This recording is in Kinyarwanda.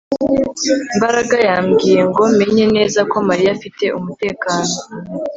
Mbaraga yambwiye ngo menye neza ko Mariya afite umutekano